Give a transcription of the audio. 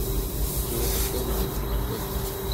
Je vais faire comme lui, je vais creuser.